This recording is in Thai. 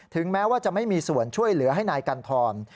แม้ว่าจะไม่มีส่วนช่วยเหลือให้นายกันทร